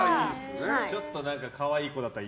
ちょっと可愛い子だったら。